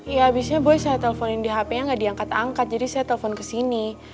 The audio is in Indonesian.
ya abisnya boy saya telfonin di hp yang gak diangkat angkat jadi saya telfon kesini